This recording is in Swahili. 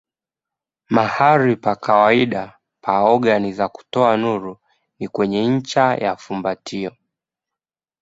Mahali pa kawaida pa ogani za kutoa nuru ni kwenye ncha ya fumbatio.